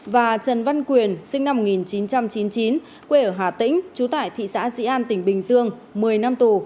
và trần văn quyền sinh năm một nghìn chín trăm chín mươi chín quê ở hà tĩnh trú tại thị xã dĩ an tỉnh bình dương một mươi năm tù